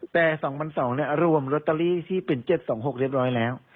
แต่๒๒๐๐เนี่ยรวมรูตาลีที่เป็น๗๒๖เรียบร้อยแล้ว